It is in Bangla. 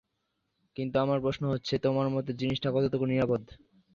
কিন্তু আমার প্রশ্ন হচ্ছে, তোমার মতে জিনিসটা কতটুকু নিরাপদ?